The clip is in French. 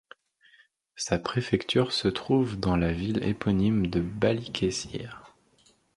Sa préfecture se trouve dans la ville éponyme de Balıkesir.